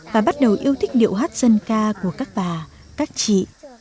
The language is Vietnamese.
và bắt đầu yêu thích điệu hát dân ca của các bà các chị